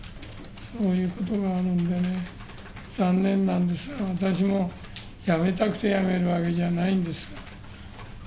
そういうことがあるのでね、残念なんですが、私もやめたくてやめるわけじゃないんですよ。